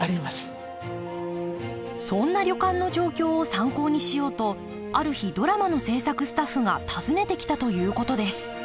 そんな旅館の状況を参考にしようとある日ドラマの制作スタッフが訪ねてきたということです